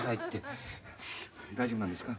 大丈夫なんですか？